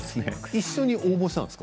一緒に応募したんですか？